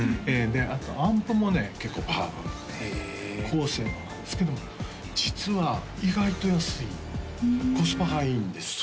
あとアンプもね結構パワフル高性能なんですけども実は意外と安いコスパがいいんですよ